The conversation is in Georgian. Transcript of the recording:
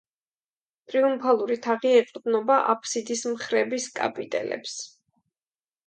ტრიუმფალური თაღი ეყრდნობა აბსიდის მხრების კაპიტელებს.